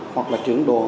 hoặc là trưởng đồn